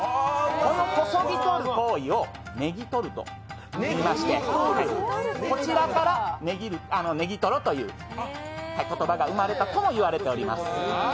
この、こそぎ取る行為をねぎとると言いましてこちらからネギトロという言葉が生まれたとも言われております。